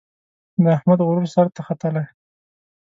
د احمد غرور سر ته ختلی.